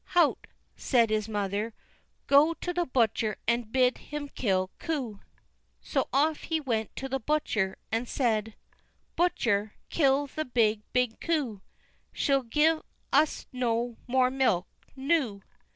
"Hout!" said his mother, "go to the butcher and bid him kill coo." So off he went to the butcher, and said: "Butcher, kill the big, big coo, She'll gi'e us no more milk noo."